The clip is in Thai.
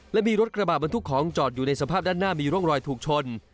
และมีรถกระบะบรรทุกของจอดอยู่ในสภาพด้านหน้ามีร่องรอยถูกชน